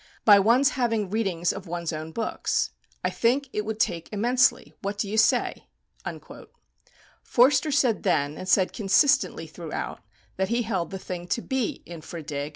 _) by one's having readings of one's own books. I think it would take immensely. What do you say?" Forster said then, and said consistently throughout, that he held the thing to be "_infra dig.